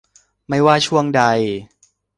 ไม่ว่าช่วงใด